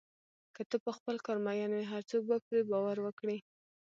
که ته په خپل کار مین وې، هر څوک به پرې باور وکړي.